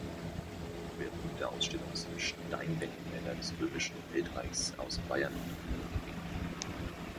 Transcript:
Schwerpunkt der Ausstellung sind Steindenkmäler des Römischen Weltreichs aus Bayern und anderen Gebieten.